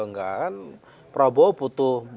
enggak kan prabowo butuh